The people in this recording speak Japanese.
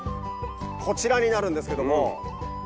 こちらになるんですけども。